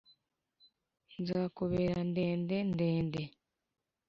nzakubera ndende, ndende,